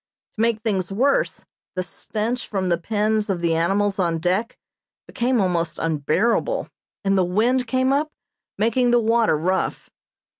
To make things worse, the stench from the pens of the animals on deck became almost unbearable, and the wind came up, making the water rough.